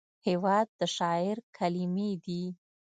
هېواد د شاعر کلمې دي.